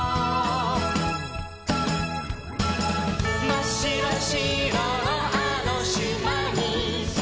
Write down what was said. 「まっしろしろのあのしまに」